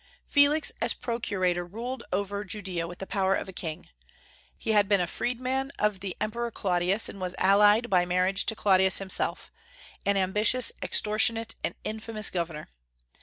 Felix, as procurator, ruled over Judaea with the power of a king. He had been a freedman of the Emperor Claudius, and was allied by marriage to Claudius himself, an ambitious, extortionate, and infamous governor.